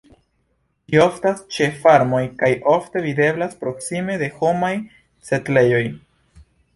Ĝi oftas ĉe farmoj kaj ofte videblas proksime de homaj setlejoj.